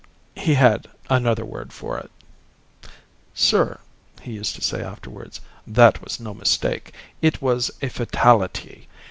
He had another word for it. "Sir" he used to say afterwards, "that was no mistake. It was a fatality.